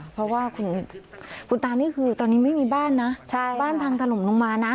เพราะว่าคุณตานี่คือตอนนี้ไม่มีบ้านนะบ้านพังถล่มลงมานะ